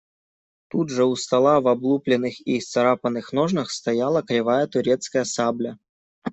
Тут же у стола в облупленных и исцарапанных ножнах стояла кривая турецкая сабля.